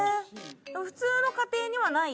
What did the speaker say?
普通の家庭にはない？